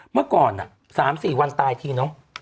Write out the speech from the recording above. เมื่อก่อน๓๔วันตายทีเนาะ